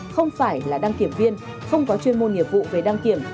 không phải là đăng kiểm viên không có chuyên môn nghiệp vụ về đăng kiểm